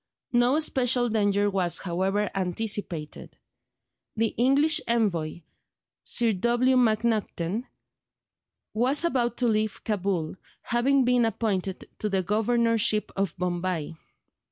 No special danger was, however, anticipated; the English envoy, Sir W. MacNaghten, was about to leave Cabul, having been appointed to the Governorship of Bombay.